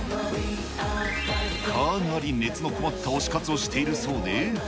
かなり熱の込もった推し活をしているそうで。